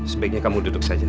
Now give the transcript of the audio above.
sebaiknya kamu duduk saja